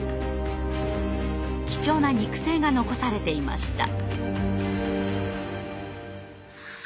貴重な肉声が残されていました。